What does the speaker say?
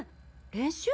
練習？